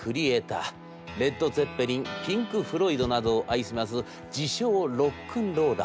レッド・ツェッペリンピンク・フロイドなどを愛します自称ロックンローラー。